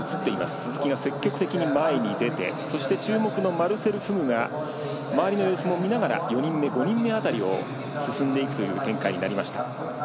鈴木が積極的に前に出てそして、注目のマルセル・フグが周りの様子も見ながら４人目、５人目辺りを進んでいくという展開。